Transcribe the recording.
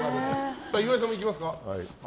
岩井さんもいきますか。